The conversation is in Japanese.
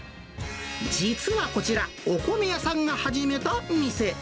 実はこちら、お米屋さんが始めたお店。